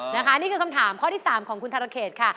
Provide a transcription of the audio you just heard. นี่คือคำถามข้อที่๓ของคุณธรเขตค่ะ